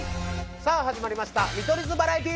さあ始まりました「見取り図バラエティ」！